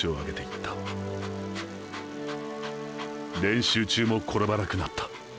練習中も転ばなくなった。